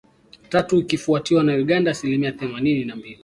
tatu ikifuatiwa na Uganda asilimia themanini na mbili